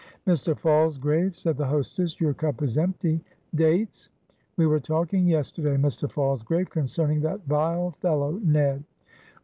"Mr. Falsgrave," said the hostess "Your cup is empty. Dates! We were talking yesterday, Mr. Falsgrave, concerning that vile fellow, Ned."